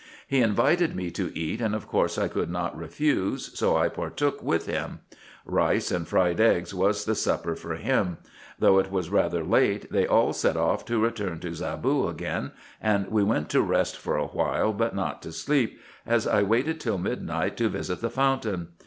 He invited me to eat, and of course I could not refuse, so I partook with him. Rice and fried eggs was the supper for him. Though it was rather late, they all set off to return to Zaboo again, and we went to rest for a while, but not to sleep, as I waited till midnight to visit the fountain.